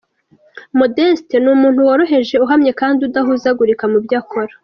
Modeste ni umuntu wohoreje, uhamye kandi udahuzagurika mu byo akora.